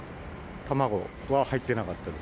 卵は入ってなかったです。